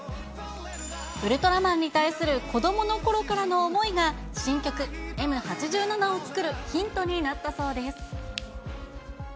ウルトラマンに対する子どものころからの思いが、新曲、Ｍ八七を作るヒントになったそうです。